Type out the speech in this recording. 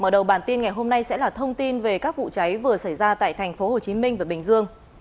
mở đầu bản tin ngày hôm nay sẽ là thông tin về các vụ cháy vừa xảy ra tại tp hcm và bình dương